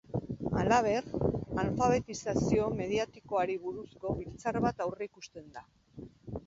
Halaber, alfabetizazio mediatikoari buruzko biltzar bat aurreikusten da.